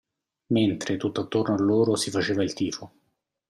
Mentre tutt'attorno a loro si faceva il tifo.